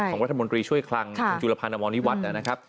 ของวัฒนมนตรีช่วยคลังจุลภัณฑ์อำมวลวิวัฒน์